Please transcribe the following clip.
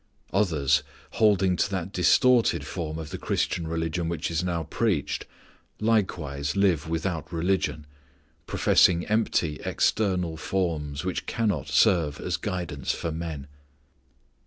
Others, holding to that distorted form of the Christian religion which is now preached, likewise live without religion, professing empty external forms, which cannot serve as guidance for men.